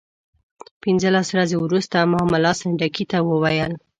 پنځلس ورځې وروسته ما ملا سنډکي ته وویل.